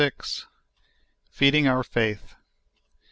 FEEDING OUR FAITH.